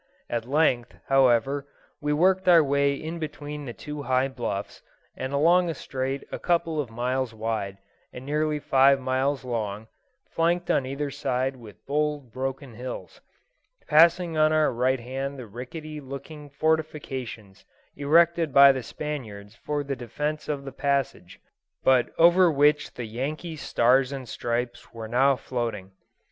At length, however, we worked our way in between the two high bluffs, and along a strait a couple of miles wide and nearly five miles long, flanked on either side with bold broken hills passing on our right hand the ricketty looking fortifications erected by the Spaniards for the defence of the passage, but over which the Yankee stars and stripes were now floating.